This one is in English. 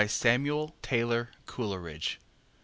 Samuel Taylor Coleridge.